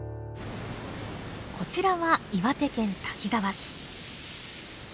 こちらは岩手県滝沢市。